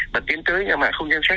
và tiến tới nhà mạng không xem xét